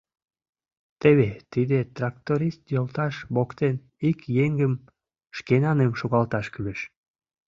Теве тиде тракторист йолташ воктен ик еҥым шкенаным шогалташ кӱлеш.